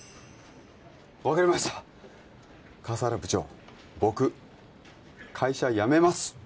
分かりました笠原部長僕会社辞めます！